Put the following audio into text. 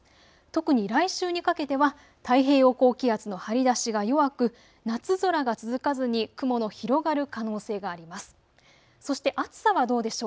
特に来週にかけては太平洋高気圧の張り出しが弱く夏空が続かずに雲の広がる可能性があります。